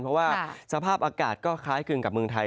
เพราะว่าสภาพอากาศก็คล้ายคลึงกับเมืองไทย